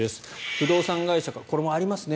不動産会社からこれもありますね